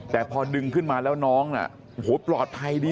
แต่พอดึงขึ้นมาแล้วน้องน่ะโอ้โหปลอดภัยดี